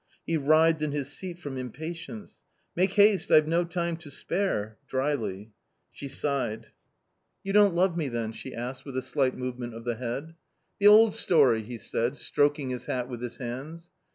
He writhed in his seat from impatience. " Make haste ! I've no time to spare !" drily. She sighed. * 190 A COMMON STORY " You don't love me then ?* she asked, with a slight movement of the head. "The old story!" he said, stroking his hat with his hands.